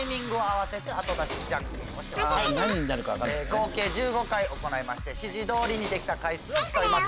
合計１５回行いまして指示通りにできた回数を競います。